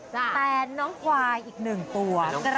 แต่น้องควายอีกหนึ่งตัว